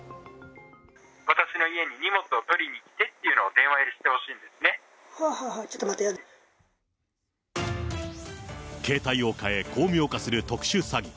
私の家に荷物を取りに来てっていうのを電話でしてほしいんでほうほうほう、ちょっと待っ形態を変え、巧妙化する特殊詐欺。